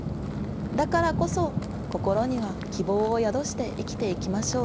だからこそ心には希望を宿して生きていきましょう。